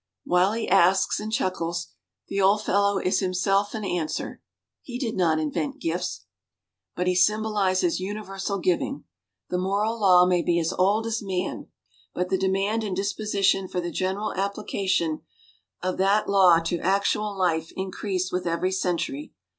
While he asks and chuckles, the old fellow is himself an answer. He did not invent gifts. But he symbolizes universal giving. The moral law may be as old as man, but the demand and disposition for the general application of that law to actual life increase with every century.